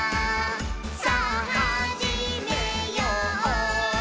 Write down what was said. さぁはじめよう」